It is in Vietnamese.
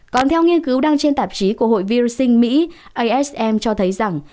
còn theo nghiên cứu đăng trên tạp chí của hội vising mỹ asm cho thấy rằng